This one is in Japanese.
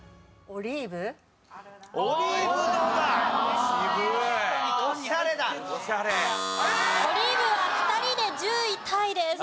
オリーブは２人で１０位タイです。